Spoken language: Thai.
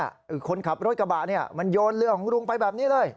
คือคนขับรถกระบะเนี่ยมันโยนเรือของลุงไปแบบนี้เลย